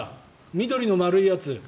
緑の丸いやつ！